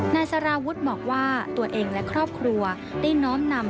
นายสารวุฒิบอกว่าตัวเองและครอบครัวได้น้อมนำ